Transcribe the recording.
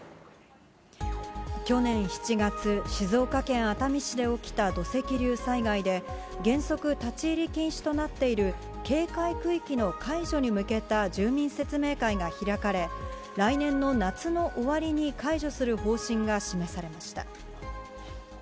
去年７月、静岡県熱海市で起きた土石流災害で、原則、立ち入り禁止となっている警戒区域の解除に向けた住民説明会が開かれ、来年の夏の終わりに解除する方針が示されました。